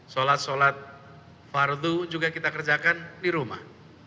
sholat sholat fardu juga kita kerjakan di rumah